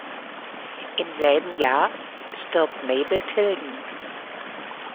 Im selben Jahr stirbt Mabel Tilden.